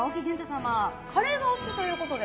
カレーがお好きということで。